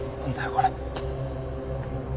これ。